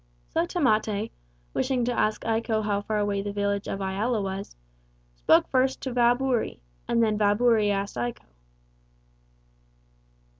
So Tamate, wishing to ask Iko how far away the village of Iala was, spoke first to old Vaaburi, and then Vaaburi asked Iko.